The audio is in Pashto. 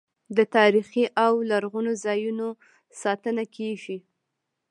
د تاریخي او لرغونو ځایونو ساتنه کیږي.